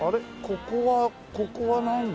ここはここはなんだ？